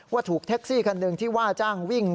ว่าถูกแท็กซี่คันหนึ่งที่ว่าจ้างวิ่ง